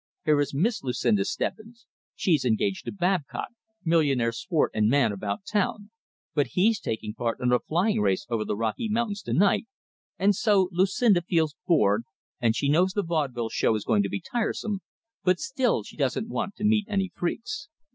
Here is Miss Lucinda Stebbins; she's engaged to Babcock, millionaire sport and man about town, but he's taking part in a flying race over the Rocky Mountains tonight, and so Lucinda feels bored, and she knows the vaudeville show is going to be tiresome, but still she doesn't want to meet any freaks.